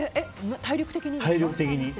体力的に。